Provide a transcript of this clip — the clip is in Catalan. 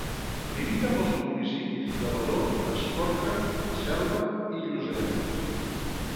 Limita amb els municipis d'Alaró, Escorca, Selva i Lloseta.